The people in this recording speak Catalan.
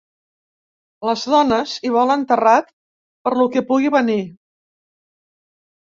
Les dones hi volen terrat per lo que pugui venir.